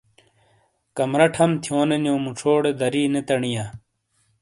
کمرہ ٹھَم تھِئیونےنِیو مُوچھوٹے دَری نے تَنِیا۔